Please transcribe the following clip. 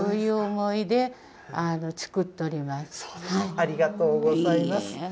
いいえ、ありがとうございます。